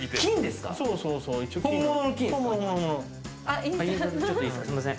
すいません。